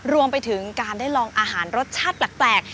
รวมไปถึงการได้ลองอาหารรสชาติแปลก